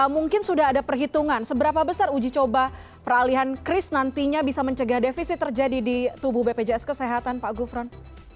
mungkin sudah ada perhitungan seberapa besar uji coba peralihan kris nantinya bisa mencegah defisit terjadi di tubuh bpjs kesehatan pak gufron